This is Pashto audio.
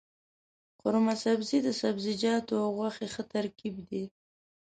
قورمه سبزي د سبزيجاتو او غوښې ښه ترکیب دی.